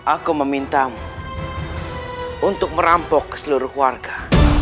aku memintamu untuk merampok ke seluruh warga